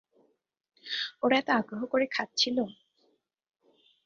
ওরা এত আগ্রহ করে খাচ্ছিল।